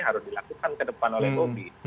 harus dilakukan ke depan oleh bobi